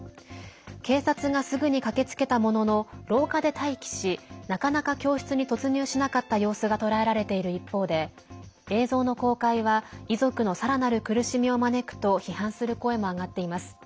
警察がすぐに駆けつけたものの廊下で待機し、なかなか教室に突入しなかった様子が捉えられている一方で映像の公開は遺族のさらなる苦しみを招くと批判する声も上がっています。